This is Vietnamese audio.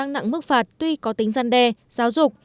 nặng mức phạt tuy có tính gian đe giáo dục